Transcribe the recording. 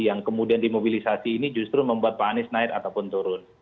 yang kemudian dimobilisasi ini justru membuat pak anies naik ataupun turun